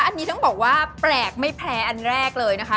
อันนี้ต้องบอกว่าแปลกไม่แพ้อันแรกเลยนะคะ